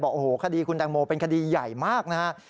โอ้โหคดีคุณแตงโมเป็นคดีใหญ่มากนะครับ